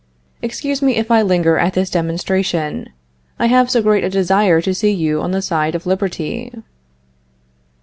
Excuse me if I linger at this demonstration. I have so great a desire to see you on the side of liberty.